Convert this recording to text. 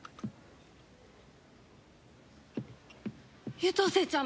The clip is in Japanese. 優等生ちゃん！